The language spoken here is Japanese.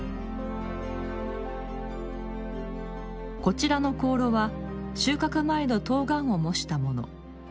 こちらの香炉は収穫前の冬瓜を模したもの。